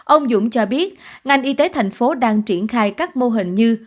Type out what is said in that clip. ông dũng cho biết ngành y tế thành phố đang triển khai các mô hình như